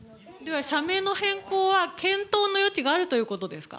社名の変更は検討の余地があるということですか？